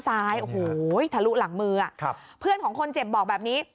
ซ้ายโอ้โหทะลุหลังมือเพื่อนของคนเจ็บบอกแบบนี้